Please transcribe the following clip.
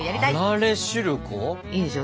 いいでしょ？